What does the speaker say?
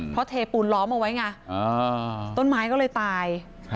เพราะเทปูนล้อมเอาไว้ไงต้นไม้ก็เลยตาย